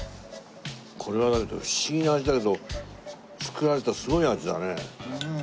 これは不思議な味だけど作られたすごい味だね。